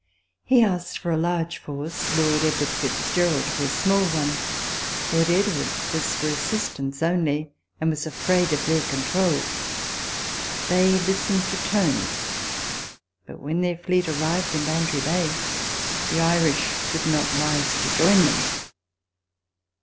He asked for a large force ; Lord Edward Fitzgerald for a small one. Lord Edward was for assistance only, and was afraid of their control. They listened to Tone, but when their fleet arrived in Bantry Bay, the Irish would not rise to join them.